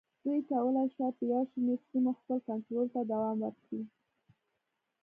دوی کولای شوای په یو شمېر سیمو خپل کنټرول ته دوام ورکړي.